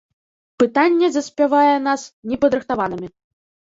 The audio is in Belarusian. Пытанне заспявае нас непадрыхтаванымі.